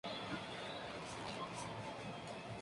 Los miembros del grupo se limitan a grabar las voces y coros.